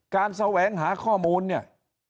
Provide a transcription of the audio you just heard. แสวงหาข้อมูลเนี่ย